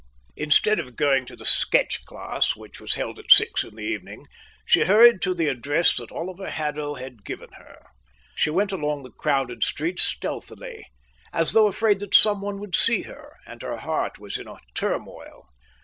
Instead of going to the sketch class, which was held at six in the evening, she hurried to the address that Oliver Haddo had given her. She went along the crowded street stealthily, as though afraid that someone would see her, and her heart was in a turmoil.